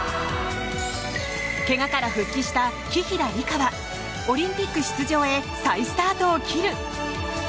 けがから復帰した紀平梨花はオリンピック出場へ再スタートを切る。